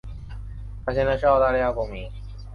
她现在是澳大利亚公民。